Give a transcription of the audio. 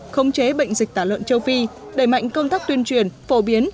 khống chế bệnh dịch tả lợn châu phi đẩy mạnh công tác tuyên truyền phổ biến